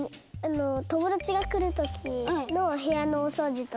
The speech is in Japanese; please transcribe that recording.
ともだちがくるときのへやのおそうじとか。